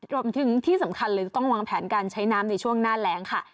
รวมถึงที่สำคัญเลยต้องวางแผนการใช้น้ำในช่วงหน้าแรงค่ะ